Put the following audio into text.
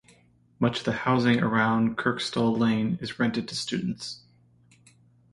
Much of the housing around Kirkstall Lane is rented to students.